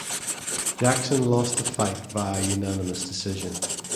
Jackson lost the fight via unanimous decision.